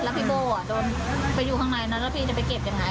แล้วพี่โบ้โดนไปอยู่ข้างในนั้นแล้วพี่จะไปเก็บยังไง